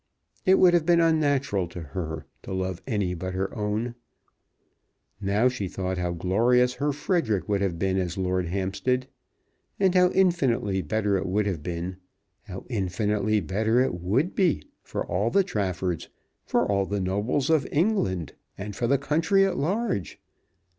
It would have been unnatural to her to love any but her own. Now she thought how glorious her Frederic would have been as Lord Hampstead, and how infinitely better it would have been, how infinitely better it would be, for all the Traffords, for all the nobles of England, and for the country at large!